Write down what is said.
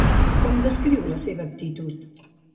Com descriu la seva actitud?